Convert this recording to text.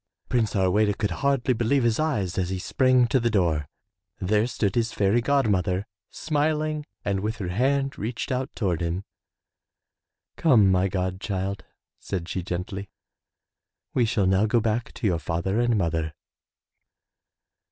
Prince Harweda could hardly believe his eyes as he sprang 43 M Y BOOK HOUSE to the door. There stood his fairy god mother, smiling and with her hand reached out toward him. "Come, my god child,'* said she gently, we shall now go back to your father and mother